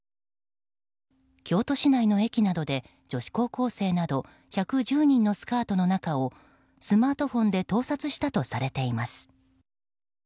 京都市内の駅などで女子高校生など１１０人のスカートの中をスマートフォンで盗撮したとされています。